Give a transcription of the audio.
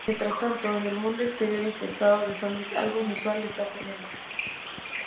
Mientras tanto en el mundo exterior infestado de zombis algo inusual está ocurriendo.